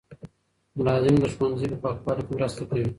ملازم د ښوونځي په پاکوالي کې مرسته کوي.